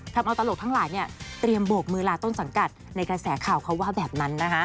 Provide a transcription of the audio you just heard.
ทำเอาตลกทั้งหลายเตรียมโบกมือลาต้นสังกัดในกระแสข่าวเขาว่าแบบนั้นนะคะ